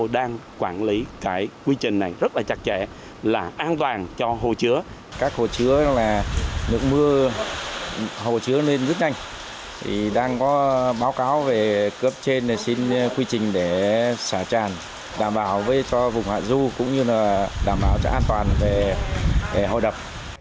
đăng có báo cáo về cướp trên xin quy trình để xả tràn đảm bảo cho vùng hạ du cũng như là đảm bảo cho an toàn về hồ đập